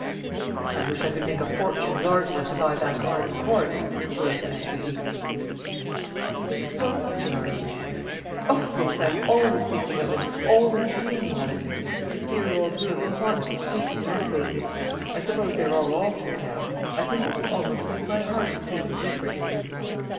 "I wish I could make a fortune large enough to buy back Arden Court," Clarissa answered eagerly. "You think so much of Arden?" "O yes, I am always thinking of it, always dreaming of it; the dear old rooms haunt me sleeping and waking. I suppose they are all altered now. I think it would almost break my heart to see them different."